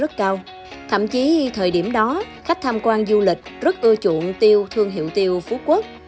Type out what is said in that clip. thậm chí thời điểm đó khách tham quan du lịch rất ưa chuộng tiêu thương hiệu tiêu phú quốc